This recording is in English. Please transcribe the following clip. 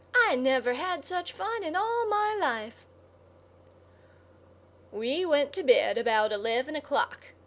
I never had such fun in all my life." We went to bed about eleven o'clock.